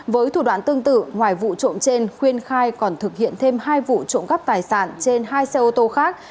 vụ trộm trên khuyên khai còn thực hiện thêm hai vụ trộm cắp tài sản trên hai xe ô tô khác